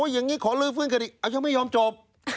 อย่างนี้ขอลื้อฟื้นคดีเอายังไม่ยอมจบ